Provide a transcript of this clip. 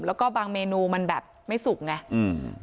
แล้วก็บางเมนูมันแบบไม่สุกไงอืม